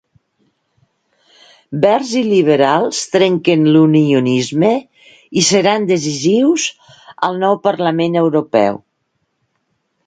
Verds i liberals trenquen l'unionisme i seran decisius al nou Parlament Europeu.